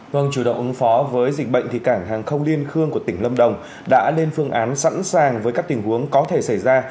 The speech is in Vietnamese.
vâng chủ động ứng phó với dịch bệnh thì cảng hàng không liên khương của tỉnh lâm đồng đã lên phương án sẵn sàng với các tình huống có thể xảy ra